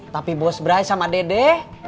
tapi bos brai sama dede